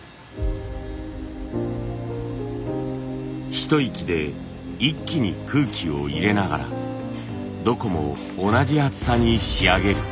一息で一気に空気を入れながらどこも同じ厚さに仕上げる。